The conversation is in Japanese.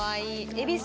恵比寿。